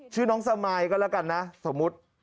ชื่อน้องสมายก็แล้วกันนะสมมุติ